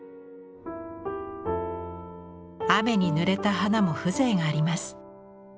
雨にぬれた花も風情があります。